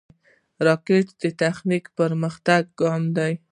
راکټ د تخنیکي پرمختګ ګام دی